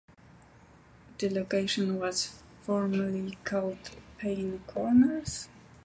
The location was formerly called Payne's Corners.